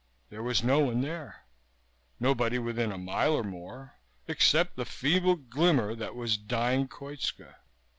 There was no one there, nobody within a mile or more, except the feeble glimmer that was dying Koitska.